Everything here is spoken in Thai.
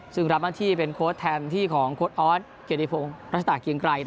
ซึ่งรับหน้าที่เป็นโค้ดแทนที่ของโค้ดออสเกียรติพงศ์รัชตาเกียงไกร